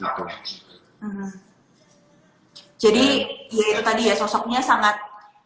jadi ya itu tadi ya sosoknya sangat